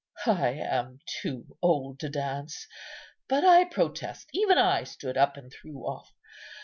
I am too old to dance; but, I protest, even I stood up and threw off.